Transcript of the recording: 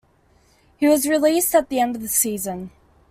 He was released at the end of the season.